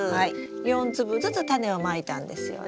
４粒ずつタネをまいたんですよね。